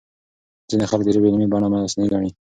ځينې خلک د ژبې علمي بڼه مصنوعي ګڼي.